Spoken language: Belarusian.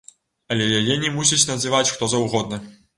Але яе не мусіць надзяваць хто заўгодна!